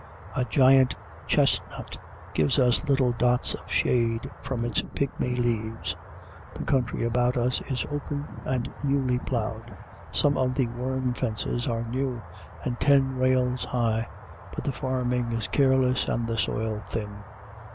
A giant chestnut gives us little dots of shade from its pigmy leaves. The country about us is open and newly plowed. Some of the worm fences are new, and ten rails high; but the farming is careless, and the soil thin.